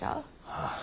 ああ。